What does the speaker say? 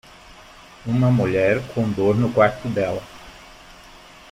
Uma mulher com dor no quarto dela.